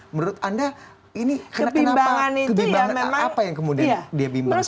menurut anda ini kenapa kebimbangan apa yang kemudian dia bimbang seperti itu